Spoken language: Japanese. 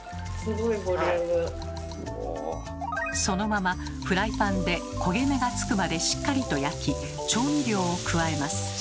そのままフライパンで焦げ目がつくまでしっかりと焼き調味料を加えます。